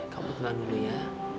kamu tenang dulu ya